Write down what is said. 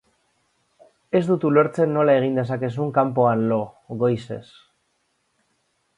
Ez dut ulertzen nola egin dezakezun kanpoan lo, goizez.